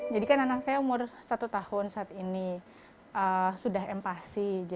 jadi kan anak saya umur satu tahun saat ini sudah empasi